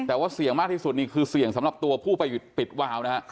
แต่ว่าเสี่ยงมากที่สุดนี่คือเสี่ยงสำหรับตัวผู้ไปปิดวาวนะฮะ